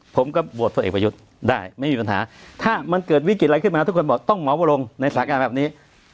ผมก็โหวตพลเอกประยุทธ์ได้ไม่มีปัญหาถ้ามันเกิดวิกฤตอะไรขึ้นมาทุกคนบอกต้องหมอวรงในสถานการณ์แบบนี้